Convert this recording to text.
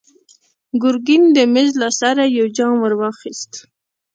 ګرګين د مېز له سره يو جام ور واخيست.